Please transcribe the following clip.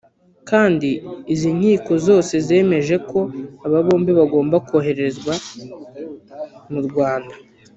kandi izi nkiko zose zemeje ko aba bombi bagomba koherezwa mu Rwanda